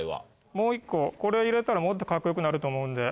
もう１個これ入れたらもっとカッコよくなると思うんで。